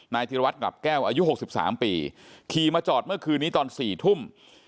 ธิรวัตรกลับแก้วอายุ๖๓ปีขี่มาจอดเมื่อคืนนี้ตอน๔ทุ่ม